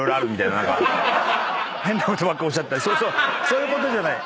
そういうことじゃない。